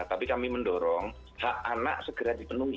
tapi kami mendorong hak anak segera dipenuhi